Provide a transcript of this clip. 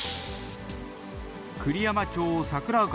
栗山町桜丘